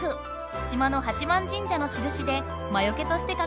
島の八幡神社のしるしでまよけとして書かれたもの。